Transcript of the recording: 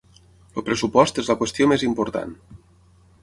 El pressupost és la qüestió més important.